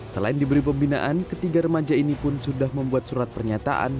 selain diberi pembinaan ketiga remaja ini pun sudah membuat surat pernyataan